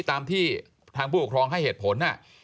ตามที่ทางผู้ปกครองให้เหตุผล